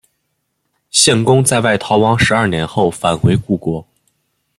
献公在外逃亡十二年后返回故国。